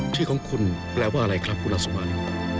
ชื่อของคุณแปลว่าอะไรครับคุณรังสุมารี